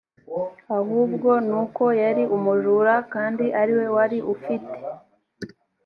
ahubwo ni uko yari umujura kandi ari we wari ufite